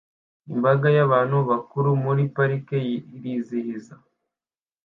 Imbaga y'abantu bakuru muri parike irizihiza